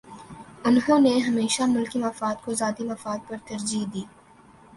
انہوں نے ہمیشہ ملکی مفاد کو ذاتی مفاد پر ترجیح دی